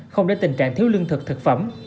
không đến tình trạng thiếu lương thực thực phẩm